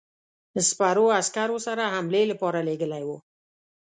سپرو عسکرو سره حملې لپاره لېږلی وو.